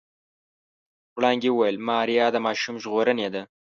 وړانګې وويل ماريا د ماشوم ژغورونکې ده.